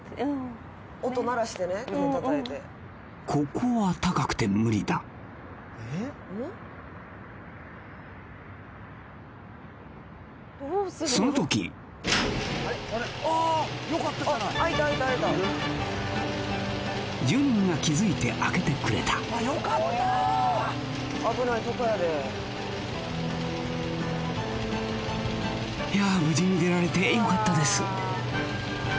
ここは高くて無理だその時住人が気づいて開けてくれたいやあ無事に出られてよかったです